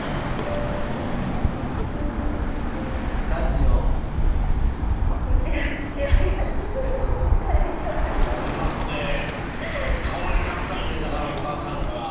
かわいかったんやだからお母さんが。